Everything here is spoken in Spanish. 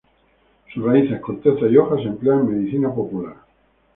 Sus raíces, cortezas y hojas se emplean en medicina popular.